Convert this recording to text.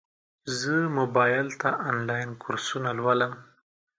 زه موبایل ته انلاین کورسونه لولم.